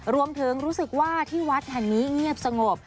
รู้สึกว่าที่วัดแห่งนี้เงียบสงบ